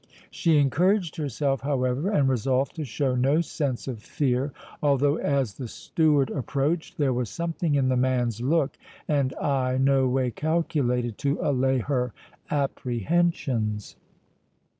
She encouraged herself, however, and resolved to show no sense of fear, although, as the steward approached, there was something in the man's look and eye no way calculated to allay her apprehensions.